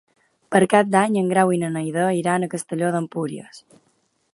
Per Cap d'Any en Grau i na Neida iran a Castelló d'Empúries.